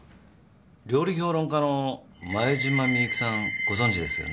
料理評論家の前島美雪さんご存じですよね？